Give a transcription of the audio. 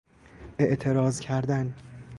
اعتراض کردن